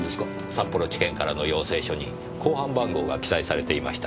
札幌地検からの要請書に公判番号が記載されていました。